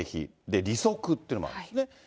で、利息っていうのもあるんですね。